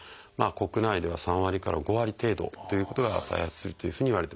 国内では３割から５割程度ということは再発するというふうにいわれてます。